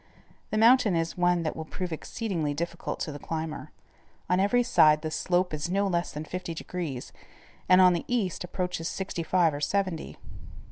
The mountain is one that will prove exceedingly difficult to the climber. On every side the slope is no less than fifty degrees, and on the east, approaches sixty five or seventy.